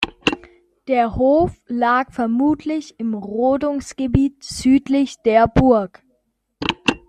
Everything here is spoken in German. Der Hof lag vermutlich im Rodungsgebiet südlich der Burg.